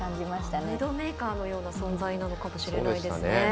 ムードメーカーのような存在なのかもしれませんね。